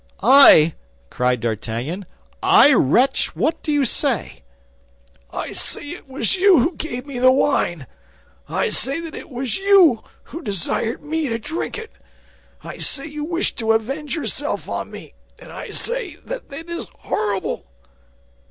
"I!" cried D'Artagnan. "I, wretch? What do you say?" "I say that it was you who gave me the wine; I say that it was you who desired me to drink it. I say you wished to avenge yourself on me, and I say that it is horrible!"